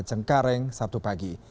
cengkareng sabtu pagi